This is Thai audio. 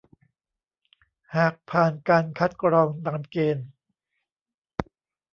หากผ่านการคัดกรองตามเกณฑ์